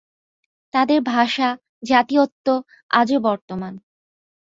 তাদের ভাষা, জাতীয়ত্ব আজও বর্তমান।